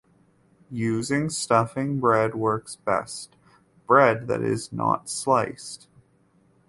Using stuffing bread works best. Bread that is not sliced.